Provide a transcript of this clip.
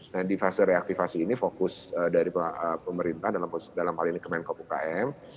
nah di fase reaktivasi ini fokus dari pemerintah dalam hal ini kemenkop ukm